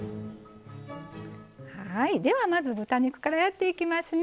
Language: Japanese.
はいではまず豚肉からやっていきますね。